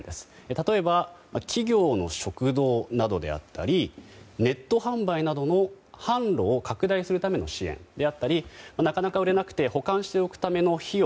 例えば企業の食堂などであったりネット販売などの販路を拡大するための支援であったりなかなか売れなくて保管しておくための費用